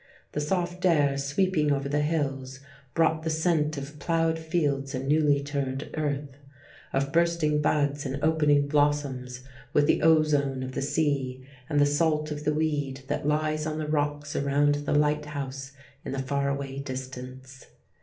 The soft air, sweeping over the hills, brought the scent of ploughed fields and newly turned earth, of bursting buds and opening blossoms, with the ozone of the sea, and the salt of the weed that lies on the rocks around the lighthouse in the far away distance.